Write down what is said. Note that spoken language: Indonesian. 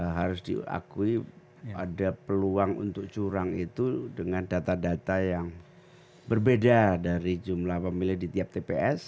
harus diakui ada peluang untuk curang itu dengan data data yang berbeda dari jumlah pemilih di tiap tps